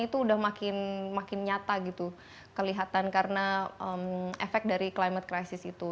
itu udah makin nyata gitu kelihatan karena efek dari climate crisis itu